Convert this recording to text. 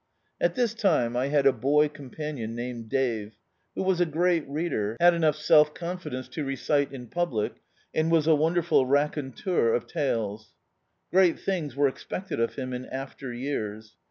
At this time I bad a boy ctvnpanion, named Dave, who was a great reader, had enough self confidence to recite in public, and was a wonderful raconteur of tales. Great things were expected of him in after years.